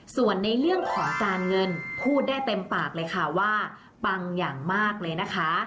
ส่วนในเรื่องของการเงินพูดได้เต็มปากเลยค่ะว่าปังอย่างมากเลยนะคะ